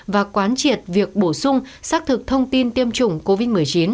và quán triệt việc bổ sung xác thực thông tin tiêm chủng covid một mươi chín